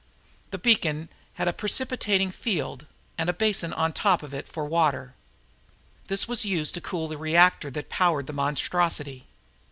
The beacon had a precipitating field and a basin on top of it for water; this was used to cool the reactor that powered the monstrosity.